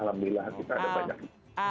alhamdulillah kita ada banyak